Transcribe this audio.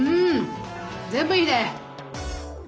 全部いいね！